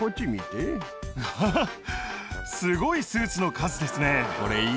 アハハっすごいスーツの数ですね！